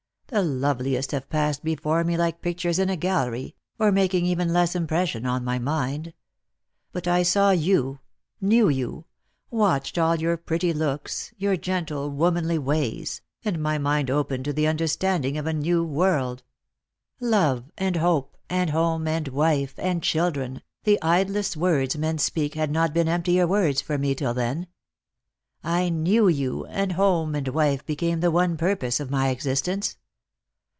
The loveliest have passed before me like pictures in a gallery, or making even less impression on my mind. But I saw you — knew you — watched all your pretty looks, your gentle womanly Lost for Love. 141 ways — and my mind opened to the understanding of a new world. Love and hope and home and wife and children — the idlest words men speak had not been emptier words for me till then. I knew you, and home and wife became the one purpose of my existence.